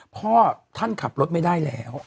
พ่อท่านขับรถไม่ได้แล้ว